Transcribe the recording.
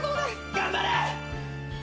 頑張れ！